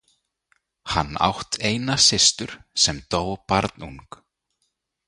Hann átt eina systur, sem dó barnung.